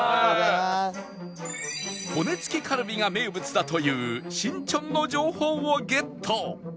骨付きカルビが名物だというシンチョンの情報をゲット